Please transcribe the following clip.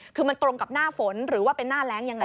คือมันตรงกับหน้าฝนหรือว่าเป็นหน้าแรงยังไง